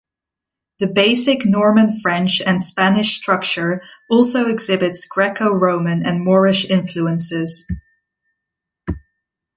The basic Norman-French and Spanish structure also exhibits Greco-Roman and Moorish influences.